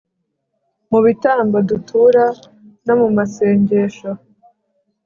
mu bitambo dutura no mu masengesho